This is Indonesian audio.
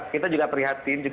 kita juga prihatin